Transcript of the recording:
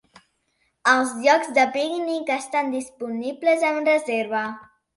Els llocs de pícnic estan disponibles amb reserva.